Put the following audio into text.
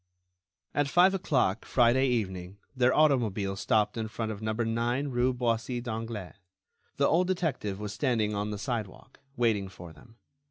At five o'clock, Friday evening, their automobile stopped in front of number nine rue Boissy d'Anglas. The old detective was standing on the sidewalk, waiting for them.